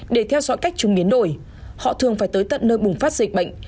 để theo dõi cách chúng biến đổi họ thường phải tới tận nơi bùng phát dịch bệnh